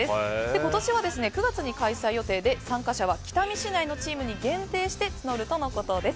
今年は９月に開催予定で参加者は北見市内のチームに限定して募るとのことです。